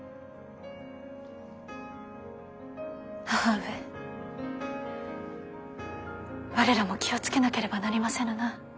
義母上我らも気を付けなければなりませぬなあ